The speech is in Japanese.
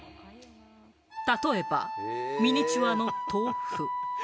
例えば、ミニチュアの豆腐。